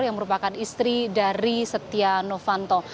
yang merupakan istri dari setia novanto